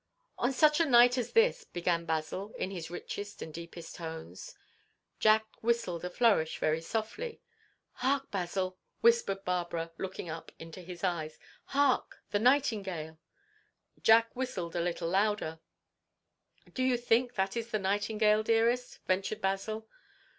"'On such a night as this—'" began Basil, in his richest and deepest notes. Jack whistled a flourish very softly. "Hark, Basil," whispered Barbara, looking up into his eyes. "Hark! The nightingale!" Jack whistled a little louder. "Do you think that is the nightingale, dearest?" ventured Basil.